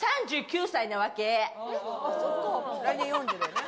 来年４０だよね。